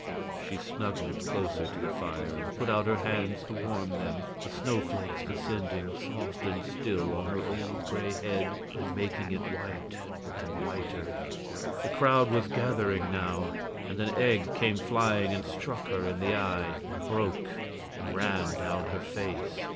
She snuggled closer to the fire, and put out her hands to warm them, the snow flakes descending soft and still on her old gray head and making it white and whiter. The crowd was gathering now, and an egg came flying and struck her in the eye, and broke and ran down her face.